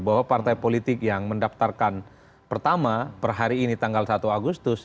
bahwa partai politik yang mendaftarkan pertama per hari ini tanggal satu agustus